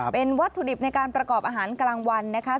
เป็นวัตถุดิบในการประกอบอาหารกลางวันนะคะ